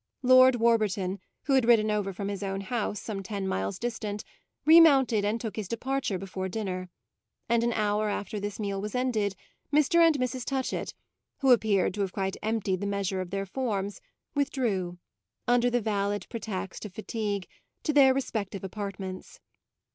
Lord Warburton, who had ridden over from his own house, some ten miles distant, remounted and took his departure before dinner; and an hour after this meal was ended Mr. and Mrs. Touchett, who appeared to have quite emptied the measure of their forms, withdrew, under the valid pretext of fatigue, to their respective apartments.